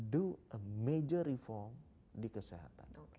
do a major reform di kesehatan